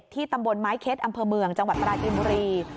ตำบลไม้เค็ดอำเภอเมืองจังหวัดปราจินบุรี